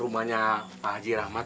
rumahnya pak haji rahmat